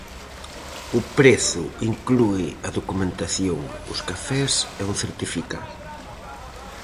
O prezo inclúe a documentación, os cafés e un certificado.